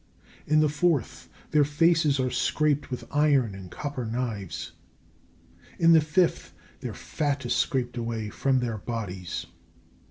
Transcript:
In the fourth, their faces are scraped with iron and copper knives. In the fifth, their fat is scraped away from their bodies.